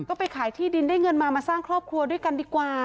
ก็ไปขายที่ดินได้เงินมามาสร้างครอบครัวด้วยกันดีกว่า